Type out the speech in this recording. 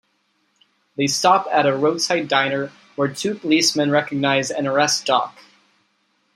They stop at a roadside diner, where two policemen recognize and arrest Doc.